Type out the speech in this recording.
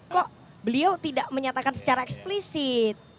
kok beliau tidak menyatakan secara eksplisit